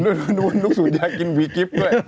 ดูนุกสุธิดากินวีกริฟต์ด้วย